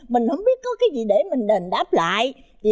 mình không biết có cái gì để mình đền đáp lại